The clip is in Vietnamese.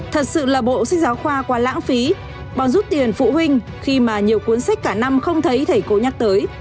thật sự là bộ sách giáo khoa qua lãng phí bò rút tiền phụ huynh khi mà nhiều cuốn sách cả năm không thấy thầy cô nhắc tới